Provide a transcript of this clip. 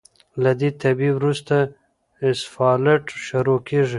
له دې طبقې وروسته اسفالټ شروع کیږي